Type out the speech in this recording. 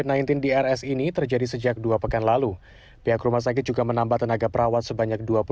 sembilan belas di rs ini terjadi sejak dua pekan lalu pihak rumah sakit juga menambah tenaga perawat sebanyak